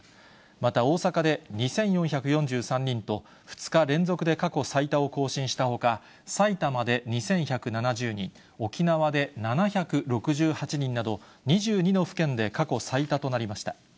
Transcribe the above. また大阪で２４４３人と、２日連続で過去最多を更新したほか、埼玉で２１７０人、沖縄で７６８人など、２２の府県で過去最多となりました。